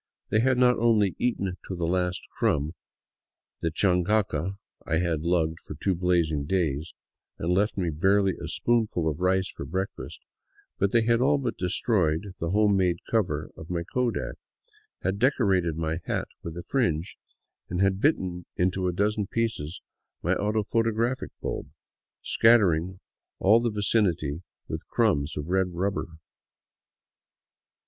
They had not only eaten to the last crumb the chancaca I had lugged for two blazing days, and left me barely a spoonful of rice for breakfast, but they had all but destroyed the home made cover of my kodak, had decorated my hat with a fringe, and had bitten into a dozen pieces my auto photographic bulb, scattering all the vicinity w^ith crumbs of red rubber.